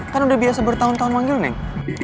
kan udah biasa bertahun tahun manggil nih